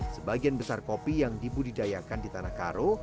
sebagian besar kopi yang dibudidayakan di tanah karo